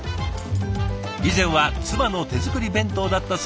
以前は妻の手作り弁当だったそうですが。